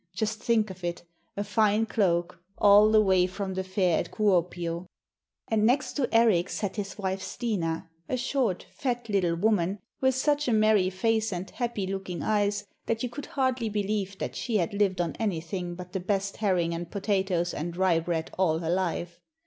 Just think of it a fine cloak, all the way from the fair at Kuopio! And next to Erik sat his wife Stina, a short, fat little woman, with such a merry face and happy looking eyes that you could hardly believe that she had lived on anything but the best herring and potatoes and rye bread all her life.